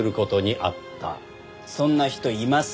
そんな人います？